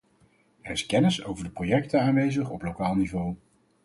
Er is kennis over de projecten aanwezig op lokaal niveau.